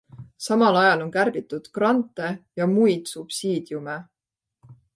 Samal ajal on kärbitud grante ja muid subsiidiume.